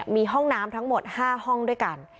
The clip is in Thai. มีห้องน้ำทั้งหมด๕ห้องด้วยกัน